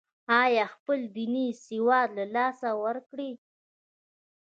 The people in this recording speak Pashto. یا خپل دیني سواد له لاسه ورکړي.